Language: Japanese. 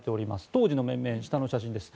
当時の面々、下の写真です。